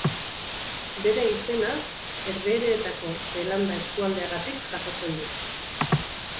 Bere izena Herbehereetako Zeelanda eskualdeagatik jasotzen du.